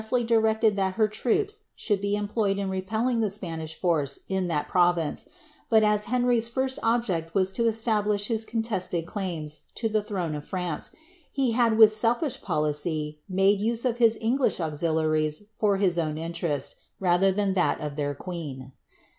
131 directed that her troops should be employed id repelling the Spanish force in that province ; but as Henry's first object was to establish his contested claims to the throne of France, he had with selfish policy made use of his English auxiliaries for his own interest, rather than tluU of their qneen.